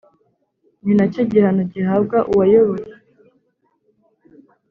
Ni nacyo gihano gihabwa uwayoboye